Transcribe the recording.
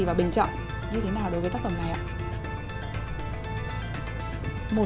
và bình chọn như thế nào đối với tác phẩm này ạ